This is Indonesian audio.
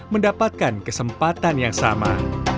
mendapatkan kesempatan yang sama